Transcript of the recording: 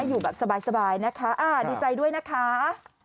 อยู่แบบสบายนะคะดีใจด้วยนะคะ